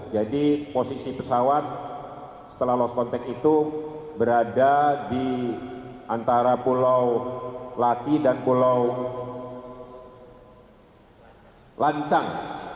jadi posisi pesawat setelah lost contact itu berada di antara pulau laki dan pulau lancang